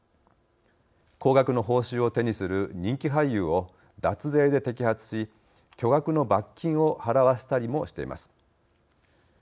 高額の報酬を手にする人気俳優を脱税で摘発し、巨額の罰金を払わせたりもしています。